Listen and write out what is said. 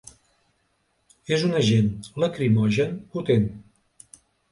És un agent lacrimogen potent.